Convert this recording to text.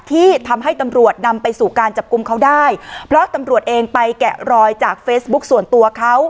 ที่ทำให้ตำรวจนำไปสู่การจับกลุ่มเขาได้เพราะตำรวจเองไปแกะรอยจากเฟซบุ๊คส่วนตัวเขา